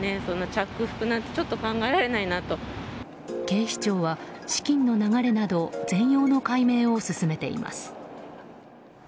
警視庁は資金の流れなど全容の解明を進めています。